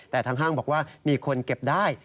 แต่ทางห้างบอกว่ามีคนเก็บได้